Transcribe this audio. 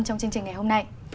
trong chương trình ngày hôm nay